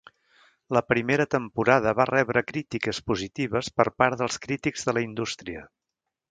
La primera temporada va rebre crítiques positives per part dels crítics de la indústria.